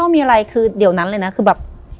มีอะไรคือเดี๋ยวนั้นเลยนะคือแบบ